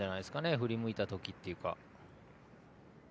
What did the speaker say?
振り向いたときというか。